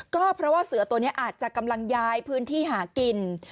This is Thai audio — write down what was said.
ก็เพราะว่าเสือตัวนี้อาจจะกำลังย้ายพื้นที่หากิน